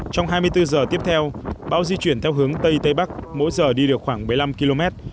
trong hai mươi bốn giờ tiếp theo bão di chuyển theo hướng tây tây bắc mỗi giờ đi được khoảng một mươi năm km